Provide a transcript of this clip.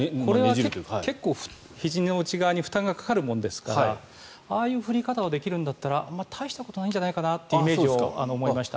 結構ひじの内側に負担がかかるものですからああいう振り方ができるんだったら大したことないんじゃないかというイメージを持ちました。